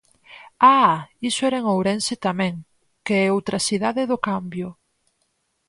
¡Ah!, iso era en Ourense tamén, que é outra cidade do cambio.